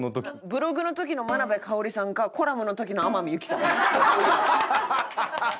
ブログの時の眞鍋かをりさんかコラムの時の天海祐希さんね「おいら」。